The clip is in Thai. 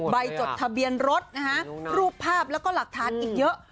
จดทะเบียนรถนะฮะรูปภาพแล้วก็หลักฐานอีกเยอะ